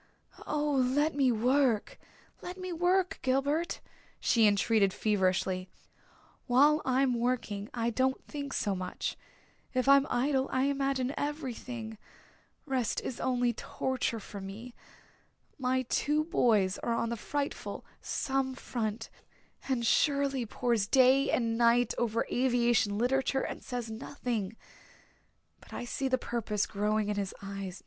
"Oh, let me work let me work, Gilbert," she entreated feverishly. "While I'm working I don't think so much. If I'm idle I imagine everything rest is only torture for me. My two boys are on the frightful Somme front and Shirley pores day and night over aviation literature and says nothing. But I see the purpose growing in his eyes.